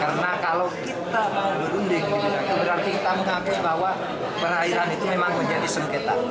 karena kalau kita berunding ini berarti kita mengaku bahwa perairan itu memang menjadi sengketa